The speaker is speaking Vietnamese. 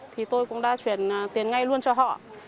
thì tôi cũng đã chuyển tiền ngay luôn cho họ